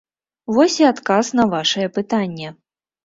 Вось і адказ на ваша пытанне.